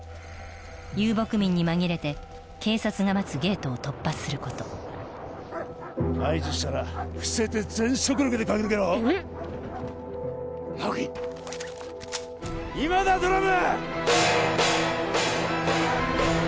遊牧民に紛れて警察が待つゲートを突破すること合図したら伏せて全速力で駆け抜けろ今だドラム！